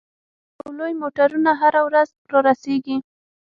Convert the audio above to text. ټریلرونه او لوی موټرونه هره ورځ رارسیږي